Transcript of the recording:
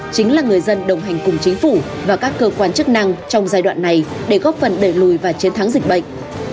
chính là người dân đồng hành cùng chính phủ và các cơ quan chức năng trong giai đoạn này để góp phần đẩy lùi và chiến thắng dịch bệnh